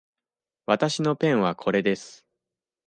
わたしのペンはこれです。